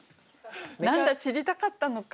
「何だ散りたかったのか」